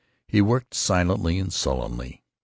He worked silently and sullenly.